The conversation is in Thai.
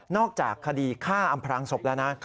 จากคดีฆ่าอำพรางศพแล้วนะ